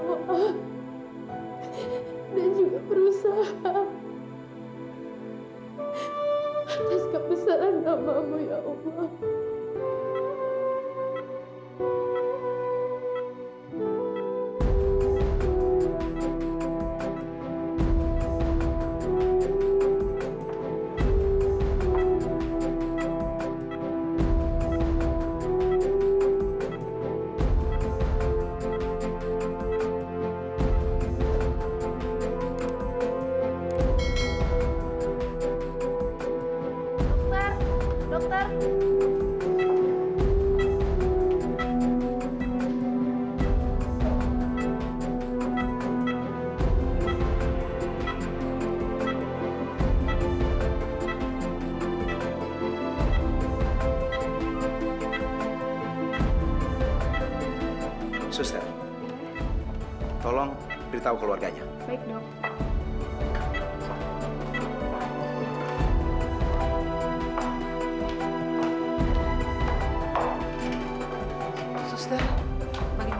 kondisi tuan kevin belum pulih benar